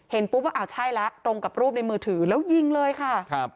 ปุ๊บว่าอ้าวใช่แล้วตรงกับรูปในมือถือแล้วยิงเลยค่ะ